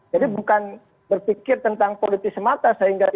jadi bukan berpikir tentang politik semata sehingga ini ya